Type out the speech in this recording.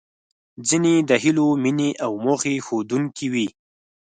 ځينې د هیلو، مينې او موخې ښودونکې وې.